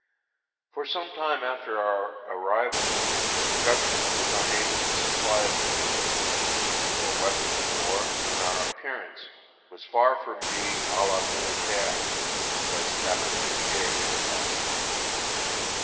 For some time after our arrival here, the Government was unable to supply us with uniforms, or weapons of war, and our appearance was far from being à la militaire, as Captain Duffié would have it.